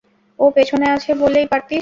ও পেছনে আছে বললেই পারতিস।